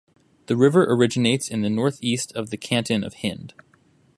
The river originates in the northeast of the canton of Hind.